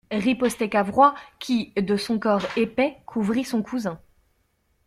Ripostait Cavrois, qui, de son corps épais, couvrit son cousin.